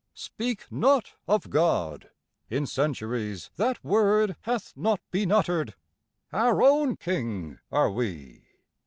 "Speak not of God! In centuries that word Hath not been uttered! Our own king are we."